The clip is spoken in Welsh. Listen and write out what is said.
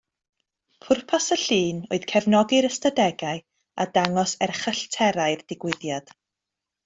Pwrpas y llun oedd cefnogi'r ystadegau a dangos erchyllterau'r digwyddiad